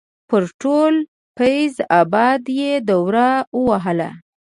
پر ټول فیض اباد یې دوره ووهله.